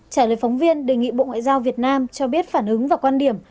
trả lời phóng viên đề nghị bộ ngoại giao việt nam cho biết phản ứng và quan điểm